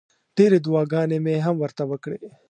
ډېرې دوعاګانې مې هم ورته وکړې.